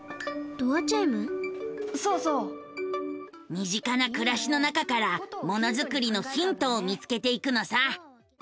身近な暮らしの中からものづくりのヒントを見つけていくのさ。